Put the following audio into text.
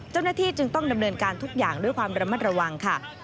เจ้าหน้าที่จึงต้องดำเนินการทุกอย่างด้วยความระมัดระวังค่ะ